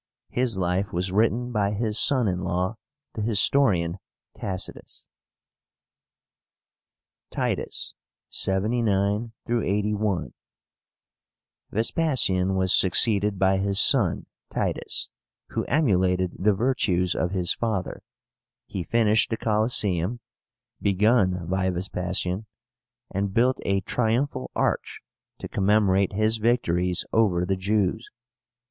His life was written by his son in law, the historian Tacitus. TITUS (79 81). Vespasian was succeeded by his son TITUS, who emulated the virtues of his father. He finished the Colosséum, begun by Vespasian, and built a triumphal arch to commemorate his victories over the Jews.